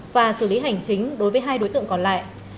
và xử lý hành chính đối với hai đối tượng còn lại